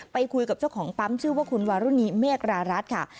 ไปคุยกับเจ้าของปั๊มชื่อว่าคุณวารุณีเมฆรารัสค่ะ